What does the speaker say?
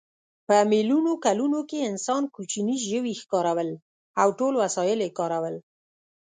په میلیونو کلونو کې انسان کوچني ژوي ښکارول او ټول وسایل یې کارول.